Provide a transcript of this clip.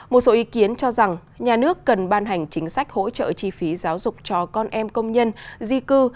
một số ý kiến cho rằng nhà nước cần ban hành chính sách hỗ trợ chi phí giáo dục cho con em công nhân di cư